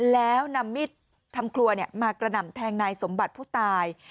แล้วนำมิดทำครัวมากระหน่ำแทงนายสมบัติผู้ตาย